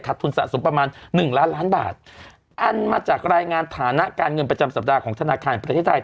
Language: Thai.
ทุนสะสมประมาณหนึ่งล้านล้านบาทอันมาจากรายงานฐานะการเงินประจำสัปดาห์ของธนาคารประเทศไทย